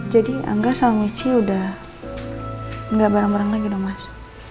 jadi angga sama michi udah gak bareng bareng lagi dong mas